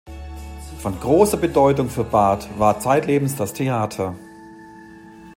Von großer Bedeutung für Barthes war zeitlebens das Theater.